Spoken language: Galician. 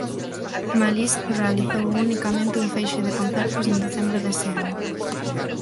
Malice realizou unicamente un feixe de concertos en decembro dese ano.